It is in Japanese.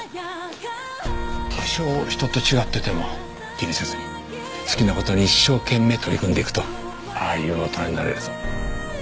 多少人と違ってても気にせずに好きな事に一生懸命取り組んでいくとああいう大人になれるぞ。